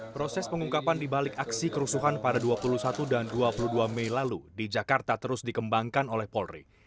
proses pengungkapan dibalik aksi kerusuhan pada dua puluh satu dan dua puluh dua mei lalu di jakarta terus dikembangkan oleh polri